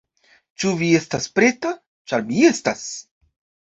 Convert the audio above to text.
Ĉu vi estas preta? ĉar mi estas